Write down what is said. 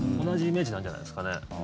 同じイメージなんじゃないですかね。